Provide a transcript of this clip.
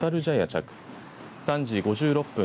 着３時５６分